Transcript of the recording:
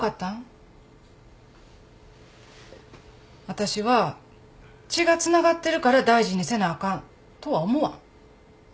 私は血がつながってるから大事にせなあかんとは思わん。